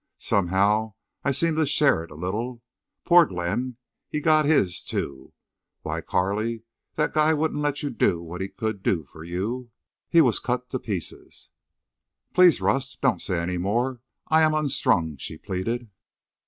Somehow I seem to share it, a little. Poor Glenn! He got his, too. Why, Carley, that guy wouldn't let you do what he could do for you. He was cut to pieces—" "Please—Rust—don't say any more. I am unstrung," she pleaded.